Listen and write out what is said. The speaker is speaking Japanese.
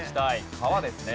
川ですね。